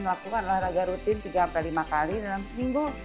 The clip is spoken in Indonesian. melakukan olahraga rutin tiga lima kali dalam seminggu